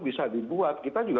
bisa dibuat kita juga